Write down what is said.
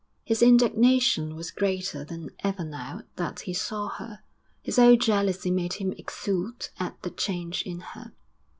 His indignation was greater than ever now that he saw her. His old jealousy made him exult at the change in her.